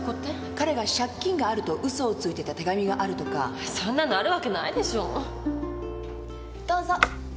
彼が借金があると嘘をついてた手紙がそんなのあるわけないでしょうどうぞ。